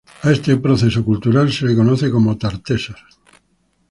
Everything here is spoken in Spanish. A este proceso cultural se le conoce como Tartessos.